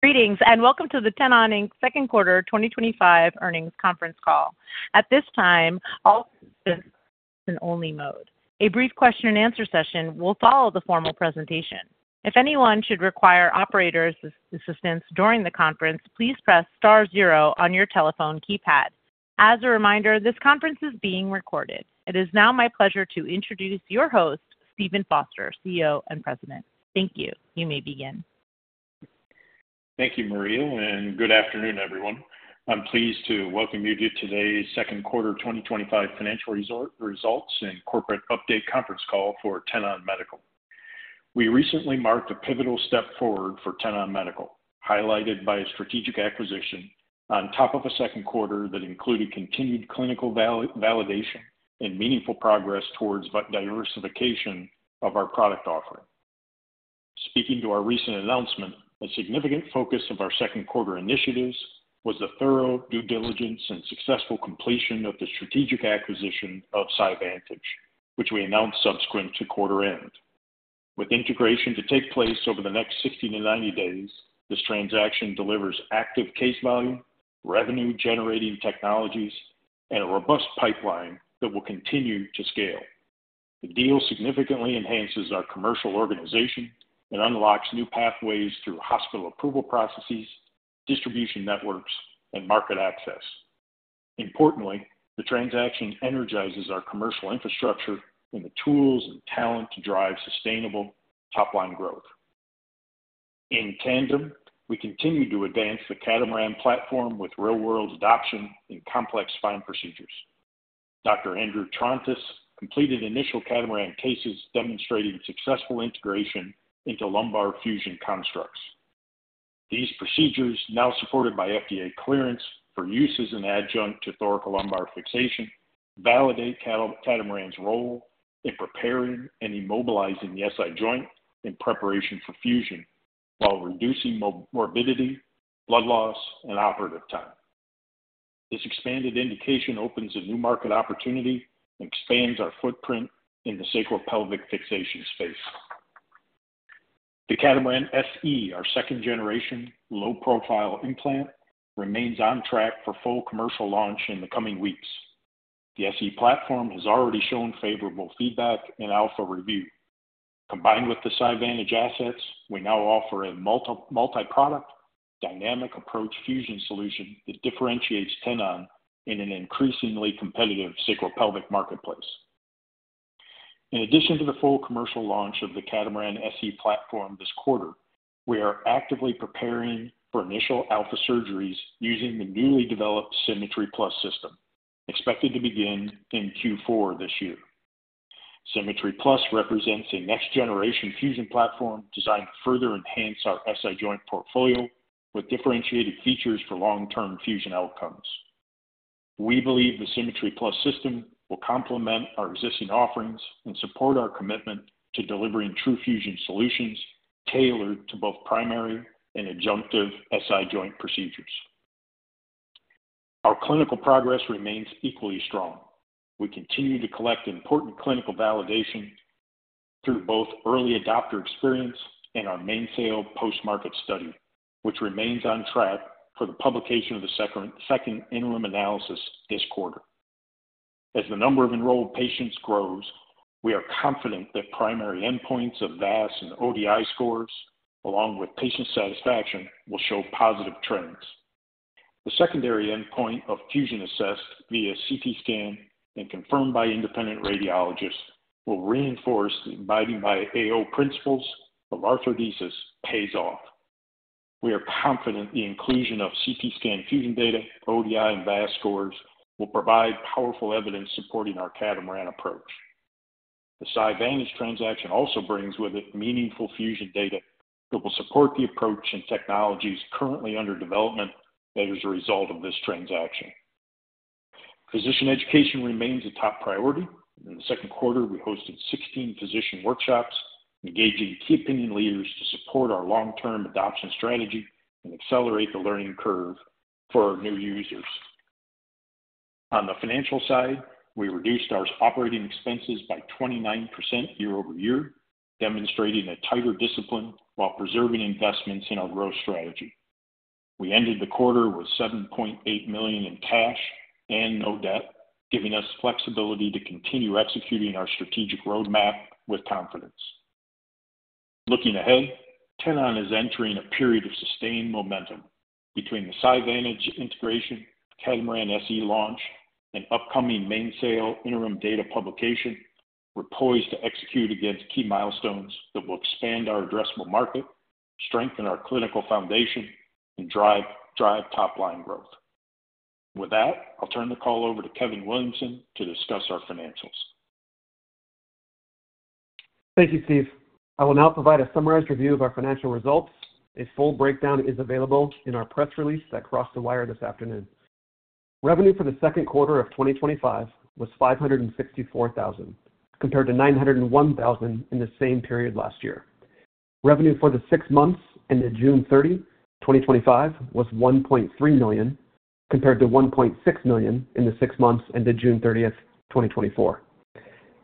Greetings and welcome to the Tenon Medical Second Quarter 2025 Earnings Conference Call. At this time, all participants are in a listen-only mode. A brief question-and-answer session will follow the formal presentation. If anyone should require operator assistance during the conference, please press Star zero on your telephone keypad. As a reminder, this conference is being recorded. It is now my pleasure to introduce your host, Steven Foster, CEO and President. Thank you. You may begin. Thank you, Maria, and good afternoon, everyone. I'm pleased to welcome you to today's Second Quarter 2025 Financial Results and Corporate Update Conference Call for Tenon Medical. We recently marked a pivotal step forward for Tenon Medical, highlighted by a strategic acquisition on top of a second quarter that included continued clinical validation and meaningful progress towards diversification of our product offering. Speaking to our recent announcement, a significant focus of our second quarter initiatives was the thorough due diligence and successful completion of the strategic acquisition of CyVantage, which we announced subsequent to quarter end. With integration to take place over the next 60 days-90 days, this transaction delivers active case value, revenue-generating technologies, and a robust pipeline that will continue to scale. The deal significantly enhances our commercial organization and unlocks new pathways through hospital approval processes, distribution networks, and market access. Importantly, the transaction energizes our commercial infrastructure and the tools and talent to drive sustainable top-line growth. In tandem, we continue to advance the CADM-RAM platform with real-world adoption in complex fine procedures. Dr. Andrew Trontes completed initial CADM-RAM cases demonstrating successful integration into lumbar fusion constructs. These procedures, now supported by FDA clearance for use as an adjunct to thoracolumbar fixation, validate CADM-RAM's role in preparing and immobilizing the SI joint in preparation for fusion while reducing morbidity, blood loss, and operative time. This expanded indication opens a new market opportunity and expands our footprint in the sacral pelvic fixation space. The CADM-RAM SE, our second-generation low-profile implant, remains on track for full commercial launch in the coming weeks. The SE platform has already shown favorable feedback in Alpha review. Combined with the CyVantage assets, we now offer a multi-product dynamic approach fusion solution that differentiates Tenon in an increasingly competitive sacral pelvic marketplace. In addition to the full commercial launch of the CADM-RAM SE platform this quarter, we are actively preparing for initial Alpha surgeries using the newly developed Symmetry Plus system, expected to begin in Q4 this year. Symmetry Plus represents a next-generation fusion platform designed to further enhance our SI joint portfolio with differentiated features for long-term fusion outcomes. We believe the Symmetry Plus system will complement our existing offerings and support our commitment to delivering true fusion solutions tailored to both primary and adjunctive SI joint procedures. Our clinical progress remains equally strong. We continue to collect important clinical validation through both early adopter experience and our main sale post-market study, which remains on track for the publication of the second interim analysis this quarter. As the number of enrolled patients grows, we are confident that primary endpoints of VAS and ODI scores, along with patient satisfaction, will show positive trends. The secondary endpoint of fusion assessed via CT scan and confirmed by independent radiologists will reinforce that abiding by AO principles of arthrodesis pays off. We are confident the inclusion of CT scan fusion data, ODI, and VAS scores will provide powerful evidence supporting our CADM-RAM approach. The CyVantage transaction also brings with it meaningful fusion data that will support the approach and technologies currently under development as a result of this transaction. Physician education remains a top priority. In the second quarter, we hosted 16 physician workshops, engaging key opinion leaders to support our long-term adoption strategy and accelerate the learning curve for our new users. On the financial side, we reduced our operating expenses by 29% year-over- year, demonstrating a tighter discipline while preserving investments in our growth strategy. We ended the quarter with $7.8 million in cash and no debt, giving us flexibility to continue executing our strategic roadmap with confidence. Looking ahead, Tenon is entering a period of sustained momentum between the CyVantage integration, CADM-RAM SE launch, and upcoming main sale interim data publication. We're poised to execute against key milestones that will expand our addressable market, strengthen our clinical foundation, and drive top-line growth. With that, I'll turn the call over to Kevin Williamson to discuss our financials. Thank you, Steve. I will now provide a summarized review of our financial results. A full breakdown is available in our press release that crossed the wire this afternoon. Revenue for the second quarter of 2025 was $564,000, compared to $901,000 in the same period last year. Revenue for the six months ended June 30, 2025, was $1.3 million, compared to $1.6 million in the six months ended June 30th, 2024.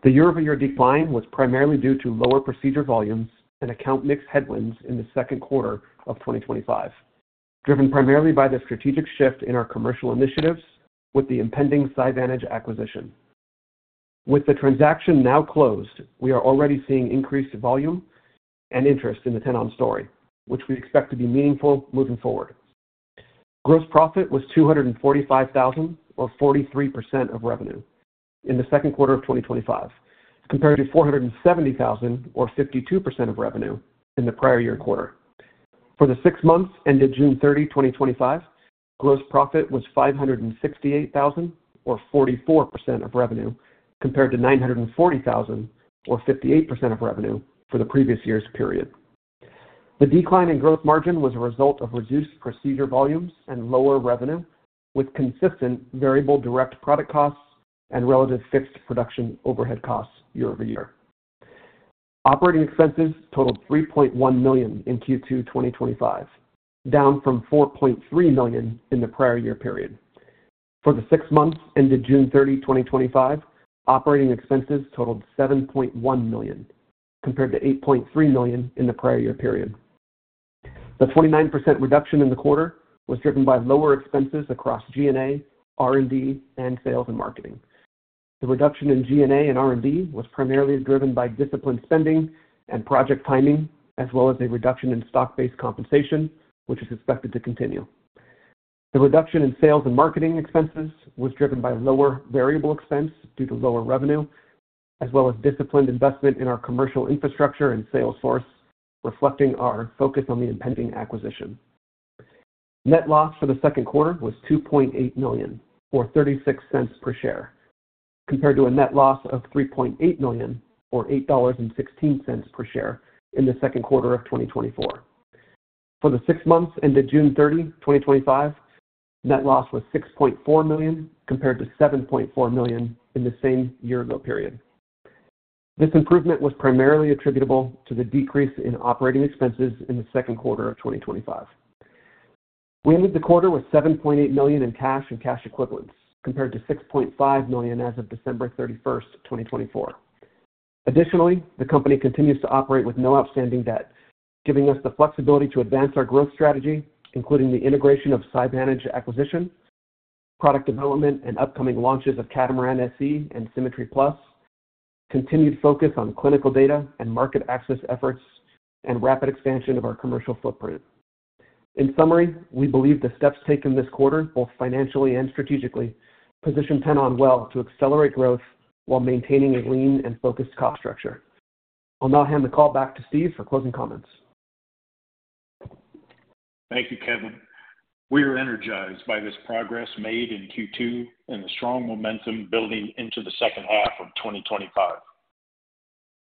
The year-over-year decline was primarily due to lower procedure volumes and account-mix headwinds in the second quarter of 2025, driven primarily by the strategic shift in our commercial initiatives with the impending CyVantage acquisition. With the transaction now closed, we are already seeing increased volume and interest in the Tenon story, which we expect to be meaningful moving forward. Gross profit was $245,000, or 43% of revenue, in the second quarter of 2025, compared to $470,000, or 52% of revenue, in the prior year quarter. For the six months ended June 30, 2025, gross profit was $568,000, or 44% of revenue, compared to $940,000, or 58% of revenue for the previous year's period. The decline in gross margin was a result of reduced procedure volumes and lower revenue, with consistent variable direct product costs and relative fixed production overhead costs year-over-year. Operating expenses totaled $3.1 million in Q2 2025, down from $4.3 million in the prior year period. For the six months ended June 30, 2025, operating expenses totaled $7.1 million, compared to $8.3 million in the prior year period. The 29% reduction in the quarter was driven by lower expenses across G&A, R&D, and sales and marketing. The reduction in G&A and R&D was primarily driven by disciplined spending and project timing, as well as a reduction in stock-based compensation, which is expected to continue. The reduction in sales and marketing expenses was driven by lower variable expense due to lower revenue, as well as disciplined investment in our commercial infrastructure and sales force, reflecting our focus on the impending acquisition. Net loss for the second quarter was $2.8 million, or $0.36 per share, compared to a net loss of $3.8 million, or $8.16 per share in the second quarter of 2024. For the six months ended June 30, 2025, net loss was $6.4 million, compared to $7.4 million in the same year-ago period. This improvement was primarily attributable to the decrease in operating expenses in the second quarter of 2025. We ended the quarter with $7.8 million in cash and cash equivalents, compared to $6.5 million as of December 31, 2024. Additionally, the company continues to operate with no outstanding debt, giving us the flexibility to advance our growth strategy, including the integration of CyVantage acquisition, product development, and upcoming launches of CADM-RAM SE and Symmetry Plus, continued focus on clinical data and market access efforts, and rapid expansion of our commercial footprint. In summary, we believe the steps taken this quarter, both financially and strategically, position Tenon Medical well to accelerate growth while maintaining a lean and focused cost structure. I'll now hand the call back to Steve for closing comments. Thank you, Kevin. We are energized by this progress made in Q2 and the strong momentum building into the second half of 2025.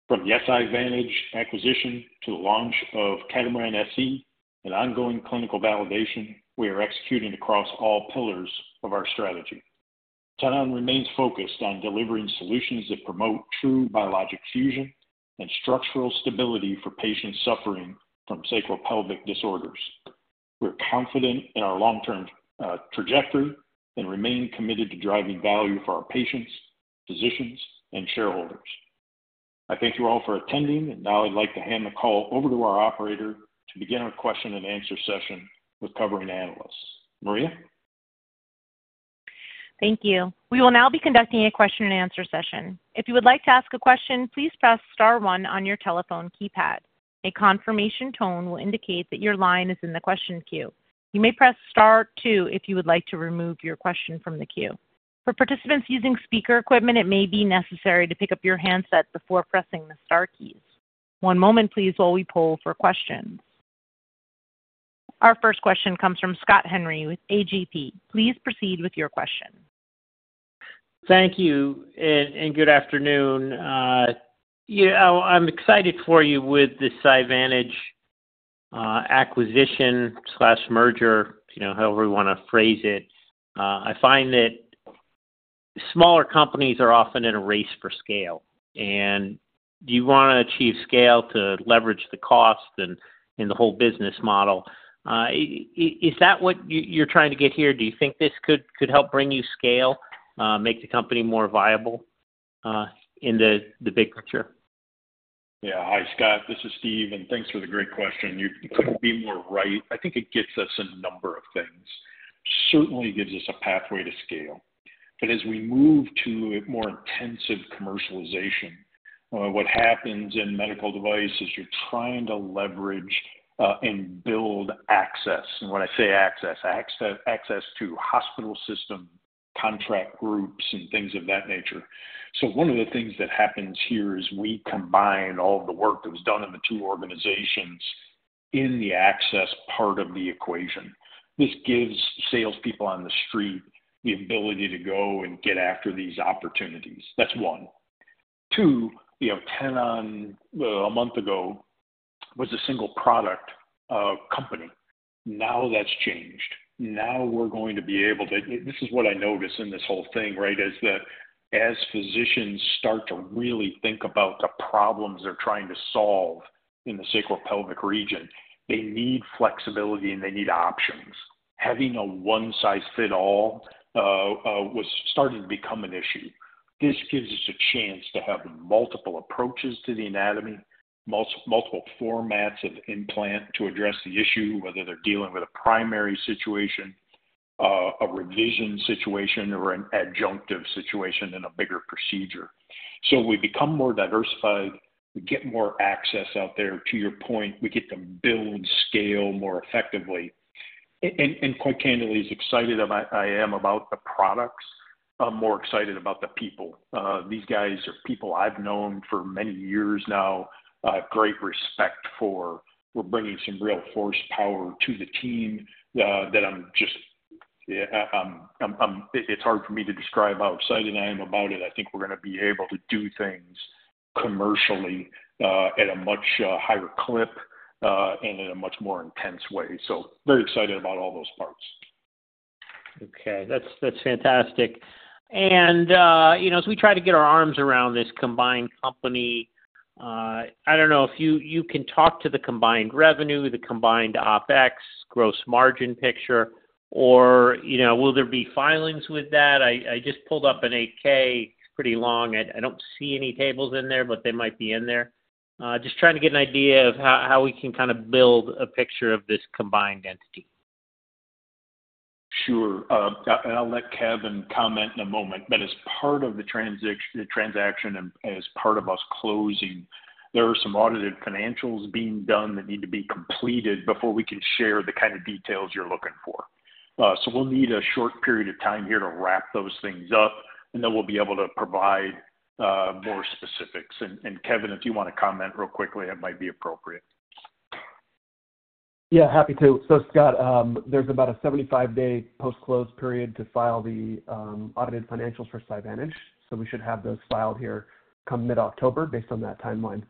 From the CyVantage acquisition to the launch of CADM-RAM SE and ongoing clinical validation, we are executing across all pillars of our strategy. Tenon remains focused on delivering solutions that promote true biologic fusion and structural stability for patients suffering from sacral pelvic disorders. We're confident in our long-term trajectory and remain committed to driving value for our patients, physicians, and shareholders. I thank you all for attending, and now I'd like to hand the call over to our operator to begin our question and answer session with covering analysts. Maria? Thank you. We will now be conducting a question-and-answer session. If you would like to ask a question, please press Star, one on your telephone keypad. A confirmation tone will indicate that your line is in the question queue. You may press Star, two if you would like to remove your question from the queue. For participants using speaker equipment, it may be necessary to pick up your handset before pressing the Star keys. One moment, please, while we poll for questions. Our first question comes from Scott Henry with AGP. Please proceed with your question. Thank you and good afternoon. I'm excited for you with the CyVantage acquisition or merger, however you want to phrase it. I find that smaller companies are often in a race for scale, and you want to achieve scale to leverage the cost and the whole business model. Is that what you're trying to get here? Do you think this could help bring you scale, make the company more viable in the big picture? Yeah, hi Scott. This is Steve, and thanks for the great question. You couldn't be more right. I think it gets us a number of things. It certainly gives us a pathway to scale. As we move to a more intensive commercialization, what happens in medical devices is you're trying to leverage and build access. When I say access, I mean access to hospital system contract groups and things of that nature. One of the things that happens here is we combine all of the work that was done in the two organizations in the access part of the equation. This gives salespeople on the street the ability to go and get after these opportunities. That's one. Two, you know, Tenon a month ago was a single product company. Now that's changed. Now we're going to be able to, this is what I notice in this whole thing, right, is that as physicians start to really think about the problems they're trying to solve in the sacral pelvic region, they need flexibility and they need options. Having a one-size-fits-all was starting to become an issue. This gives us a chance to have multiple approaches to the anatomy, multiple formats of implant to address the issue, whether they're dealing with a primary situation, a revision situation, or an adjunctive situation in a bigger procedure. We become more diversified. We get more access out there. To your point, we get to build scale more effectively. Quite candidly, as excited as I am about the products, I'm more excited about the people. These guys are people I've known for many years now. I have great respect for them. We're bringing some real horsepower to the team that I'm just, it's hard for me to describe how excited I am about it. I think we're going to be able to do things commercially at a much higher clip and in a much more intense way. Very excited about all those parts. Okay, that's fantastic. As we try to get our arms around this combined company, I don't know if you can talk to the combined revenue, the combined OpEx, gross margin picture, or will there be filings with that? I just pulled up an 8K. It's pretty long. I don't see any tables in there, but they might be in there. Just trying to get an idea of how we can kind of build a picture of this combined entity. Sure. I'll let Kevin comment in a moment, but as part of the transaction and as part of us closing, there are some audited financials being done that need to be completed before we can share the kind of details you're looking for. We need a short period of time here to wrap those things up, and then we'll be able to provide more specifics. Kevin, if you want to comment real quickly, that might be appropriate. Yeah, happy to. Scott, there's about a 75-day post-close period to file the audited financials for CyVantage. We should have those filed here come mid-October based on that timeline.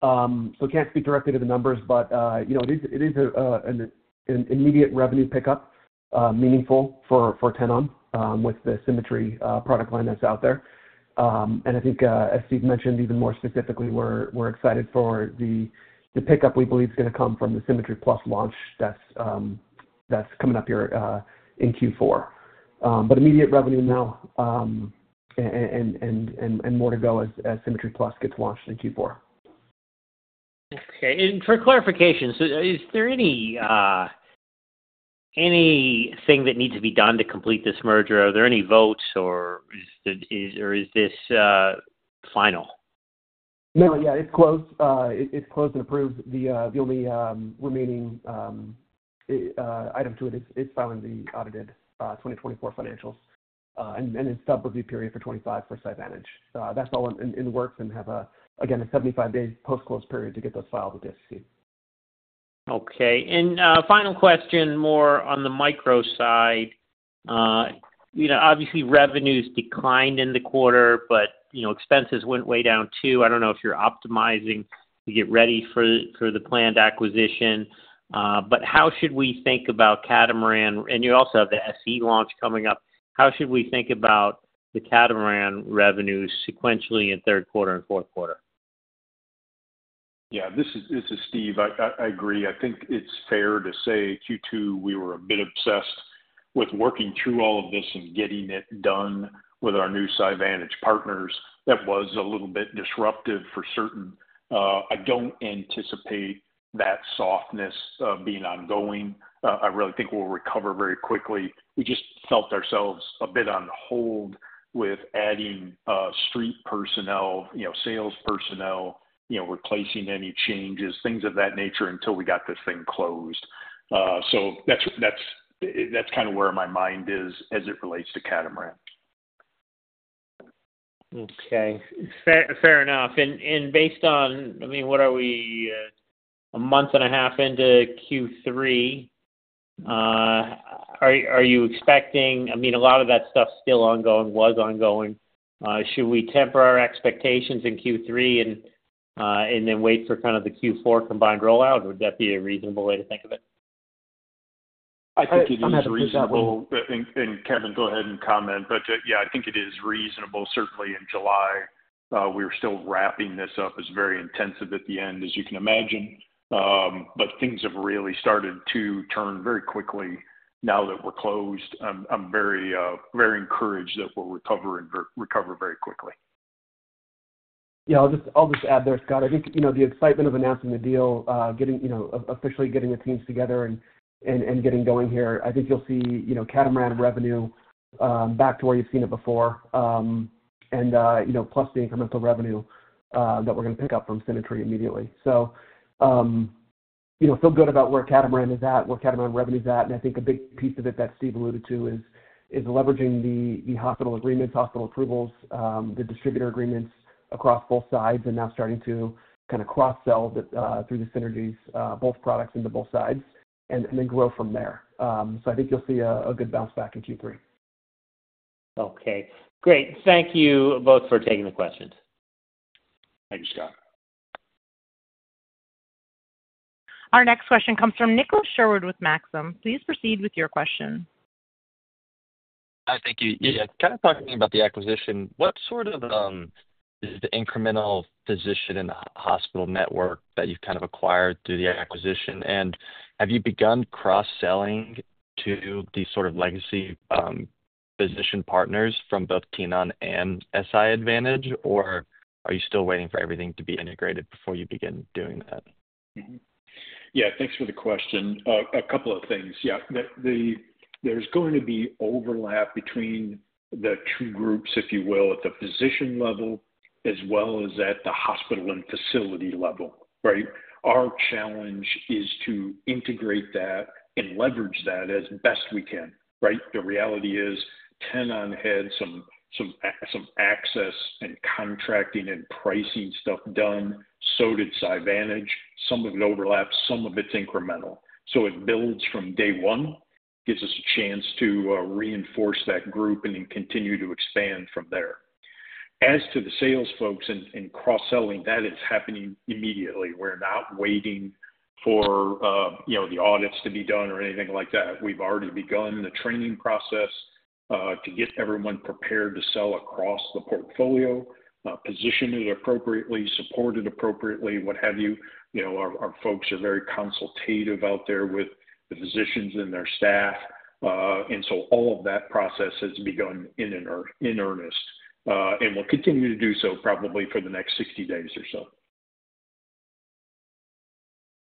I can't speak directly to the numbers, but you know, it is an immediate revenue pickup, meaningful for Tenon Medical with the Symmetry product line that's out there. I think, as Steve mentioned, even more specifically, we're excited for the pickup we believe is going to come from the Symmetry Plus launch that's coming up here in Q4. Immediate revenue now and more to go as Symmetry Plus gets launched in Q4. Okay. For clarification, is there anything that needs to be done to complete this merger? Are there any votes, or is this final? No, yeah, it's closed. It's closed and approved. The only remaining item to it is filing the audited 2024 financials and then stop review period for 2025 for CyVantage. That's all in the works and have, again, a 75-day post-close period to get those filed with the SEC. Okay. Final question, more on the micro side. Obviously, revenues declined in the quarter, but expenses went way down too. I don't know if you're optimizing to get ready for the planned acquisition. How should we think about CADM-RAM, and you also have the SE launch coming up? How should we think about the CADM-RAM revenues sequentially in third quarter and fourth quarter? Yeah, this is Steve. I agree. I think it's fair to say Q2, we were a bit obsessed with working through all of this and getting it done with our new CyVantage partners. That was a little bit disruptive for certain. I don't anticipate that softness being ongoing. I really think we'll recover very quickly. We just felt ourselves a bit on hold with adding street personnel, sales personnel, replacing any changes, things of that nature until we got this thing closed. That's kind of where my mind is as it relates to CADM-RAM. Fair enough. Based on, I mean, what are we, a month and a half into Q3, are you expecting, I mean, a lot of that stuff is still ongoing, was ongoing. Should we temper our expectations in Q3 and then wait for kind of the Q4 combined rollout? Would that be a reasonable way to think of it? I think it is reasonable, and Kevin, go ahead and comment. I think it is reasonable. Certainly in July, we were still wrapping this up. It was very intensive at the end, as you can imagine. Things have really started to turn very quickly now that we're closed. I'm very, very encouraged that we'll recover and recover very quickly. Yeah, I'll just add there, Scott. I think the excitement of announcing the deal, officially getting the teams together and getting going here, I think you'll see CADM-RAM revenue back to where you've seen it before, plus the incremental revenue that we're going to pick up from Symmetry immediately. I feel good about where CADM-RAM is at, where CADM-RAM revenue is at. I think a big piece of it that Steve alluded to is leveraging the hospital agreements, hospital approvals, the distributor agreements across both sides, and now starting to kind of cross-sell through the synergies, both products into both sides, and then grow from there. I think you'll see a good bounce back in Q3. Okay. Great. Thank you both for taking the questions. Thank you, Scott. Our next question comes from Nicholas Sherwood with Maxim. Please proceed with your question. Hi, thank you. Kind of talking about the acquisition, what sort of is the incremental physician and hospital network that you've kind of acquired through the acquisition? Have you begun cross-selling to the sort of legacy physician partners from both Tenon and CyVantage, or are you still waiting for everything to be integrated before you begin doing that? Yeah, thanks for the question. A couple of things. Yeah, there's going to be overlap between the two groups, if you will, at the physician level, as well as at the hospital and facility level, right? Our challenge is to integrate that and leverage that as best we can, right? The reality is Tenon had some access and contracting and pricing stuff done. So did CyVantage. Some of it overlaps. Some of it's incremental. It builds from day one, gives us a chance to reinforce that group and then continue to expand from there. As to the sales folks and cross-selling, that is happening immediately. We're not waiting for the audits to be done or anything like that. We've already begun the training process to get everyone prepared to sell across the portfolio, position it appropriately, support it appropriately, what have you. Our folks are very consultative out there with the physicians and their staff, and so all of that process has begun in earnest and will continue to do so probably for the next 60 days or so.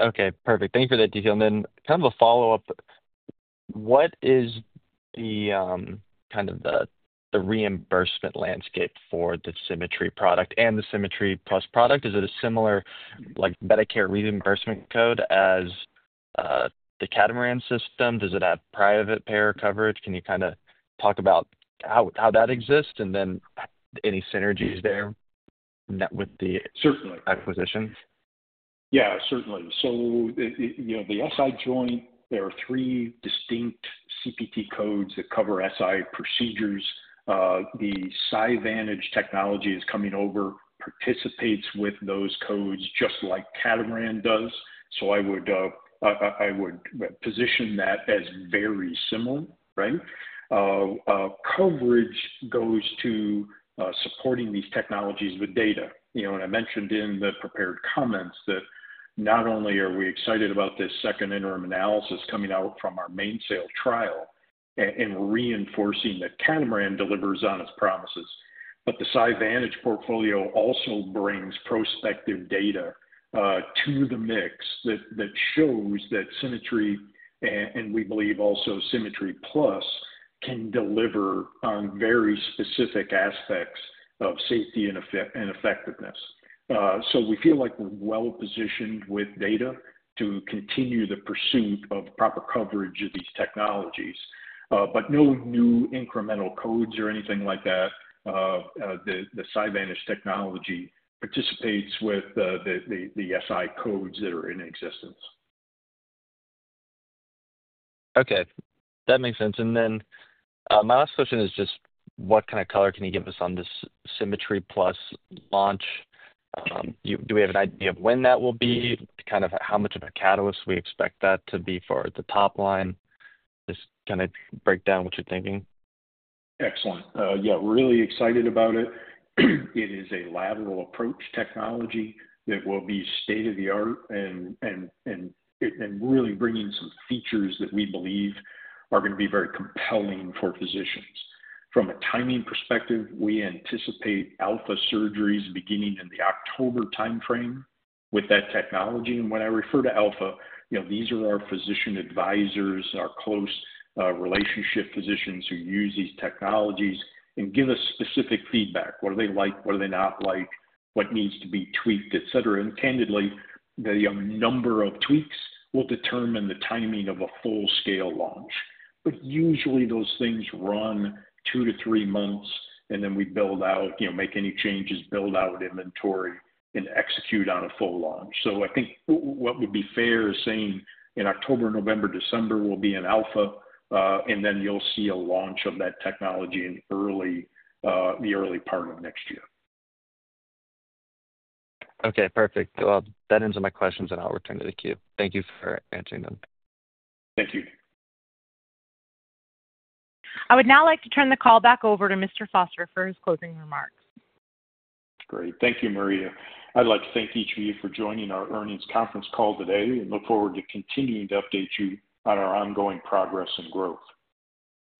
Okay, perfect. Thanks for that detail. What is the reimbursement landscape for the Symmetry product and the Symmetry Plus product? Is it a similar, like Medicare reimbursement code as the CADM-RAM SE system? Does it have private payer coverage? Can you talk about how that exists and any synergies there with the acquisition? Yeah, certainly. You know, the SI joint, there are three distinct CPT codes that cover SI procedures. The CyVantage technology is coming over, participates with those codes just like CADM-RAM does. I would position that as very similar, right? Coverage goes to supporting these technologies with data. I mentioned in the prepared comments that not only are we excited about this second interim analysis coming out from our main sale trial and reinforcing that CADM-RAM delivers on its promises, but the CyVantage portfolio also brings prospective data to the mix that shows that Symmetry, and we believe also Symmetry Plus, can deliver on very specific aspects of safety and effectiveness. We feel like we're well positioned with data to continue the pursuit of proper coverage of these technologies. No new incremental codes or anything like that. The CyVantage technology participates with the SI codes that are in existence. Okay, that makes sense. My last question is just what kind of color can you give us on this Symmetry Plus launch? Do we have an idea of when that will be, kind of how much of a catalyst we expect that to be for the top line? Just kind of break down what you're thinking. Excellent. Yeah, really excited about it. It is a lateral approach technology that will be state-of-the-art and really bringing some features that we believe are going to be very compelling for physicians. From a timing perspective, we anticipate Alpha surgeries beginning in the October timeframe with that technology. When I refer to Alpha, these are our physician advisors, our close relationship physicians who use these technologies and give us specific feedback. What do they like? What do they not like? What needs to be tweaked, etc? Candidly, the number of tweaks will determine the timing of a full-scale launch. Usually, those things run two to three months, and then we build out, make any changes, build out inventory, and execute on a full launch. I think what would be fair is saying in October, November, December will be an Alpha, and then you'll see a launch of that technology in the early part of next year. Okay, perfect. That ends my questions, and I'll return to the queue. Thank you for answering them. Thank you. I would now like to turn the call back over to Mr. Foster for his closing remarks. Great. Thank you, Maria. I'd like to thank each of you for joining our earnings conference call today and look forward to continuing to update you on our ongoing progress and growth.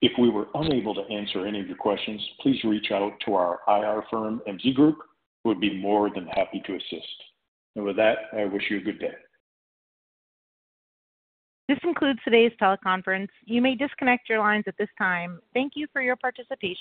If we were unable to answer any of your questions, please reach out to our IR firm, MZ Group. We'd be more than happy to assist. With that, I wish you a good day. This concludes today's teleconference. You may disconnect your lines at this time. Thank you for your participation.